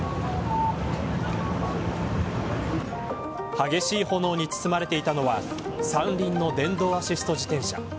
激しい炎に包まれていたのは三輪の電動アシスト自転車。